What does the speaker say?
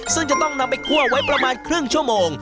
ซึ่งจะต้องนำไปคั่วไว้ประมาณครึ่งชั่วโมง